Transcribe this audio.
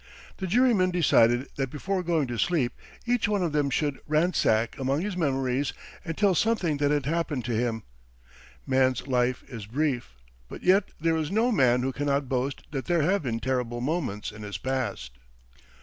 The jurymen decided that before going to sleep, each one of them should ransack among his memories and tell something that had happened to him. Man's life is brief, but yet there is no man who cannot boast that there have been terrible moments in his past.